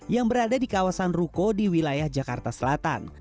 yang berada di kawasan ruko di wilayah jakarta selatan